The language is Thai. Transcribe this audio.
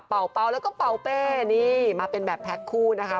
เป่าแล้วก็เป่าเป้นี่มาเป็นแบบแพ็คคู่นะคะ